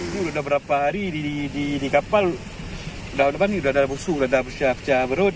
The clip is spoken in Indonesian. sudah berapa hari di kapal sudah ada busuk sudah ada pecah perut